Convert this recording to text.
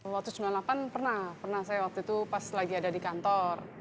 waktu sembilan puluh delapan pernah pernah saya waktu itu pas lagi ada di kantor